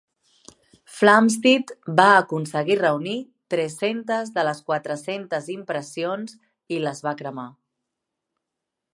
Flamsteed va aconseguir reunir tres-centes de les quatre-centes impressions i les va cremar.